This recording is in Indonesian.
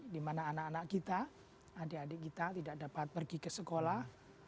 di mana anak anak kita adik adik kita tidak dapat pergi ke sekolah